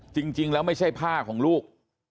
จริงแล้วไม่ใช่ผ้าของลูก